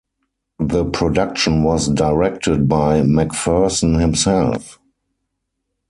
The production was directed by McPherson himself.